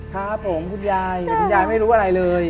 ครับผมคุณยายแต่คุณยายไม่รู้อะไรเลย